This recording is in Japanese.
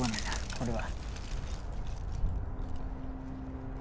これは。